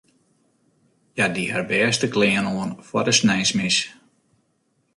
Hja die har bêste klean oan foar de sneinsmis.